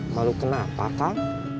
malu kenapa kak